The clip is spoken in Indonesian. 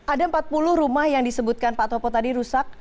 ada empat puluh rumah yang disebutkan pak topo tadi rusak